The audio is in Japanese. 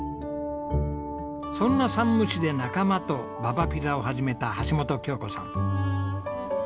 そんな山武市で仲間とＢａＢａピザを始めた橋本京子さん。